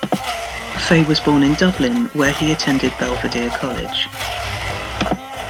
Fay was born in Dublin, where he attended Belvedere College.